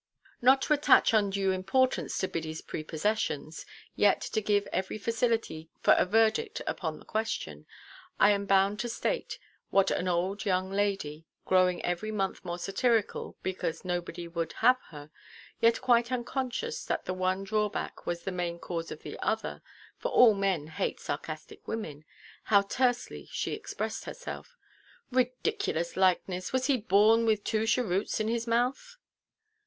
Not to attach undue importance to Biddyʼs prepossessions, yet to give every facility for a verdict upon the question, I am bound to state what an old–young lady, growing every month more satirical, because nobody would have her, yet quite unconscious that the one drawback was the main cause of the other (for all men hate sarcastic women),—how tersely she expressed herself. "Ridiculous likeness! Was he born with two cheroots in his mouth?"